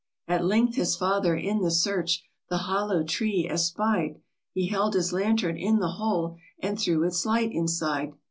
At length his father, in the search, The hollow tree espied ; He held his lantern to the hole, And threw its light inside.